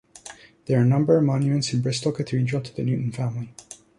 There are a number of monuments in Bristol Cathedral to the Newton family.